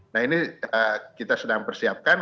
nah ini kita sedang persiapkan